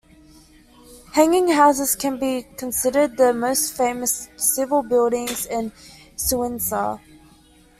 Hanging Houses can be considered the most famous civil buildings in Cuenca.